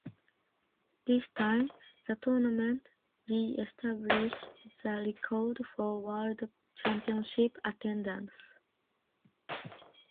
This time, the tournament re-established the record for World Championship attendance.